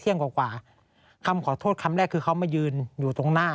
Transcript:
กว่าคำขอโทษคำแรกคือเขามายืนอยู่ตรงหน้า